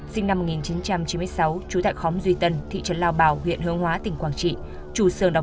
sinh năm một nghìn chín trăm chín mươi sáu trú tại khóm duy tân thị trấn lao bạc